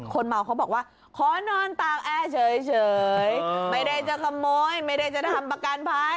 คนเมาเขาบอกว่าขอนอนตากแอร์เฉยไม่ได้จะขโมยไม่ได้จะทำประกันภัย